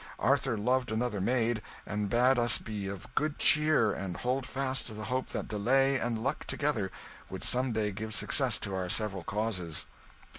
Arthur loved another maid, and bade us be of good cheer and hold fast to the hope that delay and luck together would some day give success to our several causes.